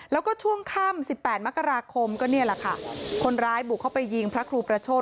แล้วก็ช่วงค่ำสิบแปดมกราคมก็นี่แหละค่ะคนร้ายบุกเข้าไปยิงพระครูประโชธ